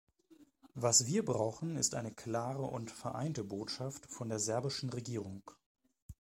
Was wir brauchen, ist eine klare und vereinte Botschaft von der serbischen Regierung.